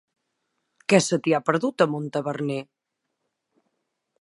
Què se t'hi ha perdut, a Montaverner?